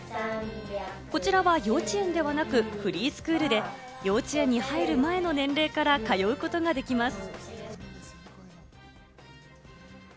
こちらは幼稚園ではなくフリースクールで、幼稚園に入る前の年齢から通うことができます。